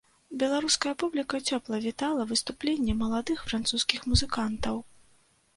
Беларуская публіка цёпла вітала выступленне маладых французскіх музыкантаў.